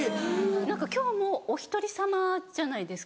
何か今日もお１人さまじゃないですか。